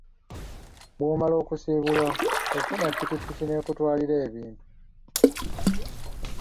Bw'omala okusiibulwa, ofuna pikiki n'ekutwalira ebintu.